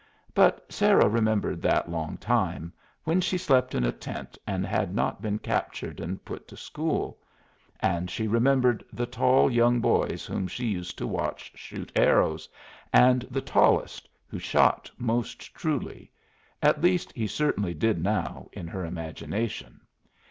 But Sarah remembered that long time, when she slept in a tent and had not been captured and put to school. And she remembered the tall young boys whom she used to watch shoot arrows, and the tallest, who shot most truly at least, he certainly did now in her imagination.